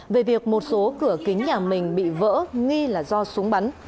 về việc một số cửa kính nhà mình bị vỡ nghi là do súng bắn